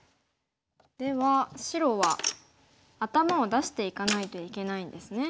では白は頭を出していかないといけないんですね。